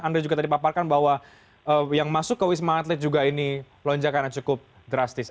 anda juga tadi paparkan bahwa yang masuk ke wisma atlet juga ini lonjakannya cukup drastis